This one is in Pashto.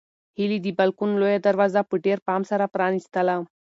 هیلې د بالکن لویه دروازه په ډېر پام سره پرانیستله.